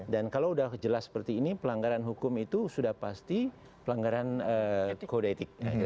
dan kalau sudah jelas seperti ini pelanggaran hukum itu sudah pasti pelanggaran kode etik